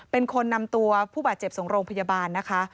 เป็นคนนำตัวผู้บาดเจ็บส่งโรงพยาบาลนะคะ